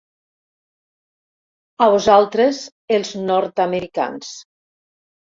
A vosaltres, els nord-americans.